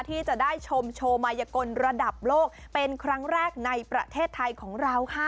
ที่จะได้ชมโชว์มายกลระดับโลกเป็นครั้งแรกในประเทศไทยของเราค่ะ